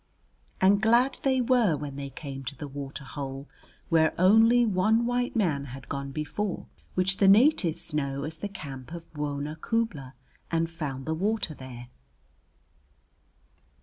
And glad they were when they came to the water hole, where only one white man had gone before, which the natives know as the camp of Bwona Khubla, and found the water there.